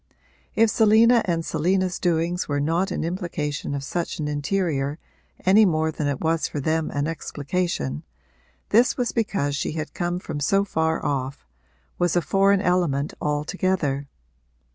If Selina and Selina's doings were not an implication of such an interior any more than it was for them an explication, this was because she had come from so far off, was a foreign element altogether.